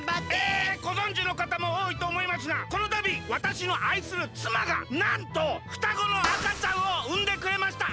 えごぞんじのかたもおおいとおもいますがこのたびわたしのあいするつまがなんとふたごのあかちゃんをうんでくれました！